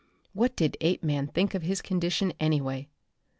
What did Apeman think of his condition, anyway?